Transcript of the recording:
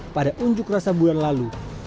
pada unjuk rasa bulan lalu